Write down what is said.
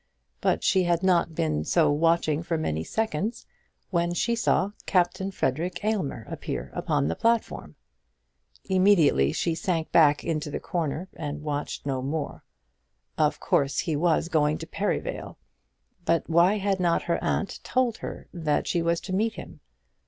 But she had not been so watching for many seconds when she saw Captain Frederic Aylmer appear upon the platform. Immediately she sank back into her corner and watched no more. Of course he was going to Perivale; but why had not her aunt told her that she was to meet him?